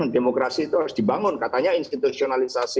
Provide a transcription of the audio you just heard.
demokrasi itu harus dibangun